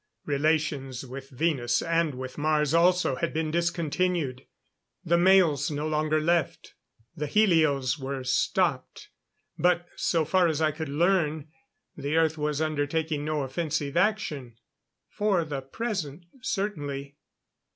Relations with Venus and with Mars also, had been discontinued. The mails no longer left. The helios were stopped. But, so far as I could learn, the Earth was undertaking no offensive action. For the present, certainly.